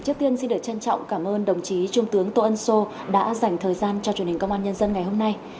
trước tiên xin được trân trọng cảm ơn đồng chí trung tướng tô ân sô đã dành thời gian cho truyền hình công an nhân dân ngày hôm nay